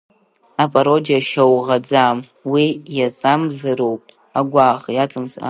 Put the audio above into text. Апародиа шьауӷаӡам, уи иаҵамзароуп агәаӷ, ацәымыӷра…